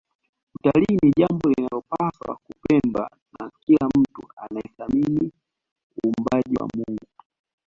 Utalii ni jambo linalopaswa kupendwa na kila mtu anayethamini uumbaji wa Mungu